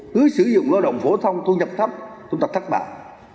cứ sử dụng lao động phổ thông thu nhập thấp chúng ta thất bại